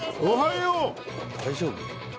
大丈夫？